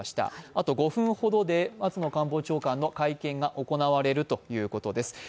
あと５分ほどで松野官房長官の会見が行われるということです。